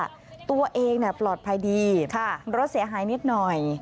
ตัวเองปลอดภัยดีรถเสียหายนิดหน่อย